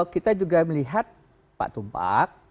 kita juga melihat pak tumpak